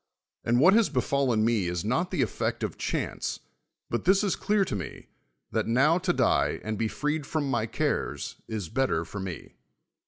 And what has befallen me is not tlie effect of chance'; but this is clear to me, that now to die, and ho freed fi'om my cares, is better for me.